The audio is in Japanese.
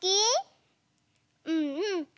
うんうん。